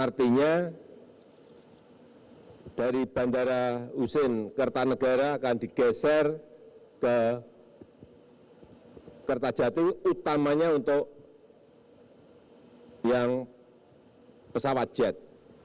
artinya dari bandara husin kertanegara akan digeser ke kertajati utamanya untuk yang pesawat jet